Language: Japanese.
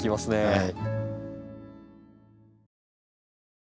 はい。